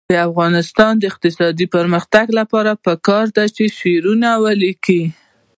د افغانستان د اقتصادي پرمختګ لپاره پکار ده چې شعرونه ولیکو.